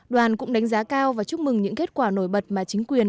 đoàn cũng đánh giá cao và chúc mừng những kết quả nổi bật mà chính quyền